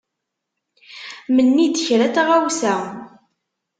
Menni-d kra n tɣawsa.